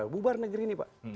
buar negeri ini pak